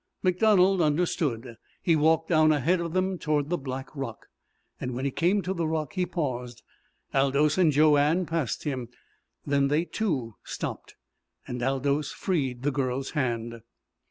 MacDonald understood. He walked down ahead of them toward the black rock. When he came to the rock he paused. Aldous and Joanne passed him. Then they, too, stopped, and Aldous freed the girl's hand.